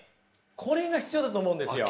これが必要だと思うんですよ。